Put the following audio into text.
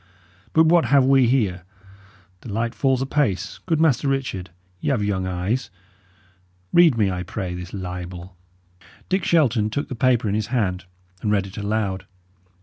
But what have we here? The light falls apace. Good Master Richard, y' have young eyes. Read me, I pray, this libel." Dick Shelton took the paper in his hand and read it aloud.